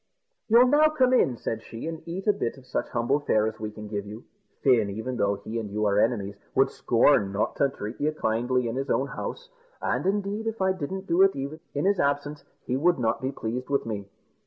"You'll now come in," said she, "and eat a bit of such humble fare as we can give you. Fin, even although he and you are enemies, would scorn not to treat you kindly in his own house; and, indeed, if I didn't do it even in his absence, he would not be pleased with me."